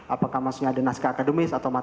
apakah maksudnya ada naskah akademis